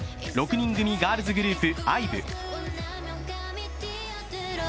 ６人組ガールズグループＩＶＥ。